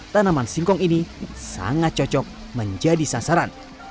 tanaman singkong ini sangat cocok menjadi sasaran